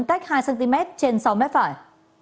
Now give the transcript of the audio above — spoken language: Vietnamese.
cách hai cm trên sáu m phải